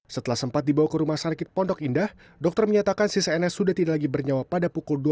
setelah sempat dibawa ke rumah sakit pondok indah dokter menyatakan si cns sudah tidak lagi bernyawa pada pukul dua belas